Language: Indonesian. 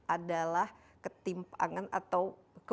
adalah ketimpangan atau